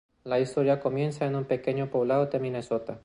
La historia comienza en un pequeño poblado de Minnesota.